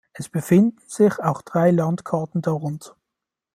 Es befinden sich auch drei Landkarten darunter.